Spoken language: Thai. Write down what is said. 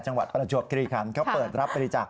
จังหวัดประจวบกรีคันเค้าเปิดรับบริจาค